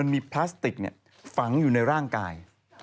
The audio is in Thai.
มีพลาสติกฝังอยู่ในร่างกาย